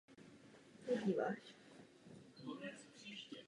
Komise a sekretariát Rady jsou také součástí Evropské konzulární spolupráce.